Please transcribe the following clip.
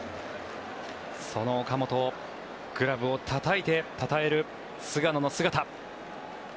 その岡本をグラブをたたいてたたえる菅野の姿。